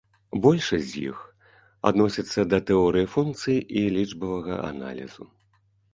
Большасць з іх адносіцца да тэорыі функцый і лічбавага аналізу.